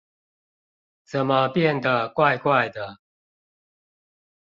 怎麼變得怪怪的